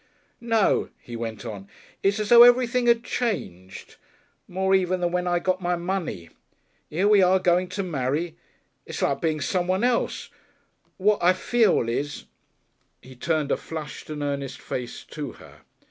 "No," he went on. "It's as though everything 'ad changed. More even than when I got my money. 'Ere we are going to marry. It's like being someone else. What I feel is " He turned a flushed and earnest face to her.